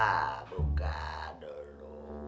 hah buka dulu